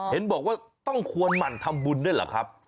เห็นบอกว่าต้องควรหมั่นทำบุญด้วยเหรอครับ